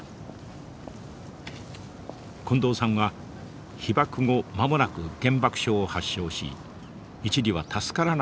近藤さんは被爆後間もなく原爆症を発症し一時は助からないと言われたほどでした。